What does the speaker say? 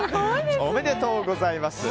おめでとうございます。